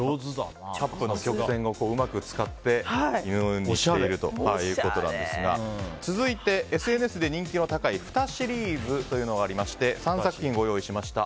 カップの曲線をうまく作って犬にしているということですが続いて、ＳＮＳで人気の高いフタシリーズというものがありまして３作品ご用意しました。